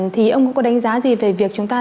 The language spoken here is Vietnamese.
thì ông cũng có đánh giá gì về việc chúng ta